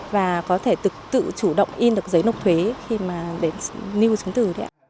và có thể tự chủ động in được giấy nộp thuế khi mà để lưu chứng từ